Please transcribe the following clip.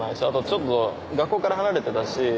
ちょっと学校から離れてたし。